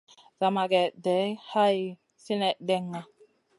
Zamagé day hay sinèh ɗenŋa.